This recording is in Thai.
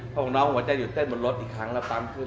เพราะน้องหัวใจหยุดเต้นบนรถอีกครั้งแล้วปั๊มขึ้น